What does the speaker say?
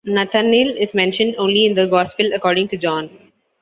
Nathanael is mentioned only in the Gospel according to John.